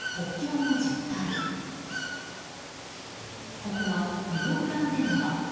ここはリオ・グランデ川。